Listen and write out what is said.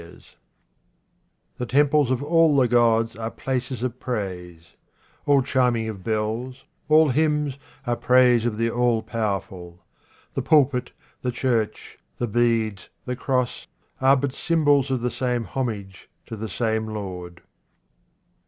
66 QUATRAINS OF OMAR KHAYYAM The temples of all the gods are places of praise. All chiming of bells, all hymns, are praise of the All powerful. The pulpit, the church, the beads, the cross, are but symbols of the same homage to the same Lord.